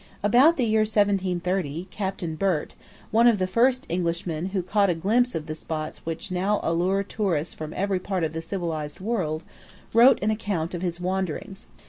About the year 1730, Captain Burt, one of the first Englishmen who caught a glimpse of the spots which now allure tourists from every part of the civilised world, wrote an account of his wanderings.